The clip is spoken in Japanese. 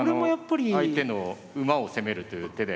相手の馬を攻めるという手で。